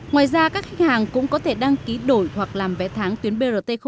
ngoài ra các khách hàng cũng có thể đăng ký đổi hoặc làm vé tháng tuyến brt một